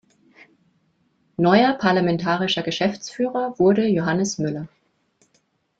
Neuer Parlamentarischer Geschäftsführer wurde Johannes Müller.